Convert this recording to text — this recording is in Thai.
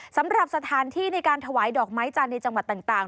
สำหรับสถานที่ในการถวายดอกไม้จันทร์ในจังหวัดต่าง